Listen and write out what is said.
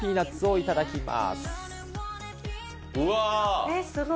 いただきます。